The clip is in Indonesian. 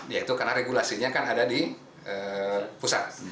yaitu karena regulasinya kan ada di pusat